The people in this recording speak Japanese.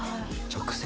直接？